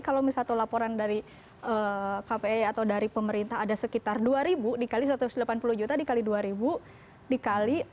kalau misalnya laporan dari kpi atau dari pemerintah ada sekitar rp dua dikali rp satu ratus delapan puluh juta dikali rp dua dikali